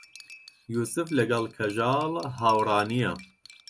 یووسف لەگەڵ کەژاڵ هاوڕا نییە.